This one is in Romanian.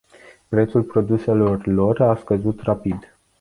Prețul produselor lor a scăzut rapid.